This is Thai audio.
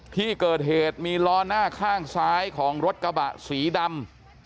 ที่เกิดเหตุมีล้อหน้าข้างซ้ายของรถกระบะสีดำ